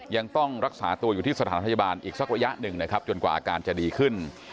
ยังต้องรักษาตัวอยู่ที่สถานพยาบาลอีกสักระยะหนึ่งนะครับจนกว่าอาการจะดีขึ้น